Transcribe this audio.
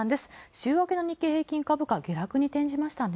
週明けの日経平均株価下落に転じましたね。